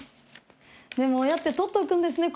でも親って取っておくんですね